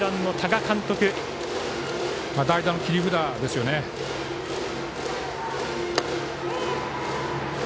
代打の切り札ですよね。